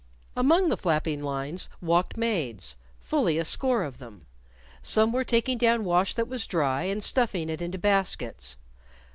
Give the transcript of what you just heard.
Among the flapping lines walked maids fully a score of them. Some were taking down wash that was dry and stuffing it into baskets.